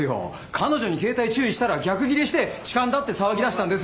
彼女に携帯を注意したら逆ギレして痴漢だって騒ぎ出したんです。